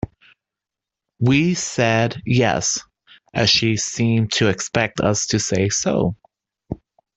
We said yes, as she seemed to expect us to say so.